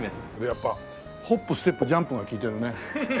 やっぱホップステップジャンプがきいてるね。